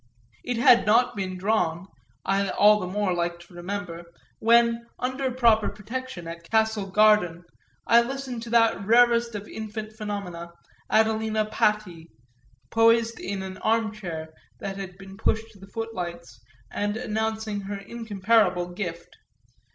It had not been drawn, I all the more like to remember, when, under proper protection, at Castle Garden, I listened to that rarest of infant phenomena, Adelina Patti, poised in an armchair that had been pushed to the footlights and announcing her incomparable gift.